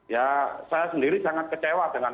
ya saya sendiri sangat kecewa dengan